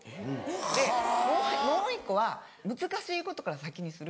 でもう１個は難しいことから先にする。